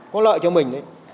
có lợi cho mình đấy